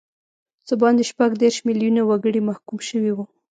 څه باندې شپږ دیرش میلیونه وګړي محکوم شوي وو.